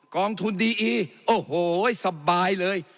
กองทุนดีอีโอ้โหสบายเลย